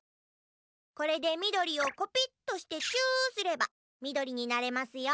これでみどりをコピットしてチューすればみどりになれますよ。